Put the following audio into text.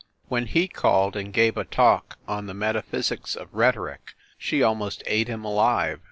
When he called and gave a talk on the "Metaphysics of Rhetoric" she almost ate him alive